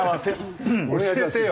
教えてよ